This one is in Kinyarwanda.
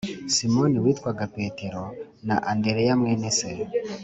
Simoni witwaga Petero na Andereya mwene se